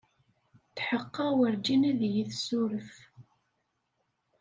Tḥeqqeɣ werjin ad iyi-tessuref.